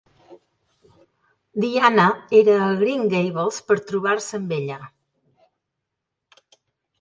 Diana era a Green Gables per trobar-se amb ella.